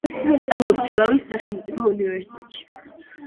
სწავლობს თელავის სახელმწიფო უნივერსიტეტში.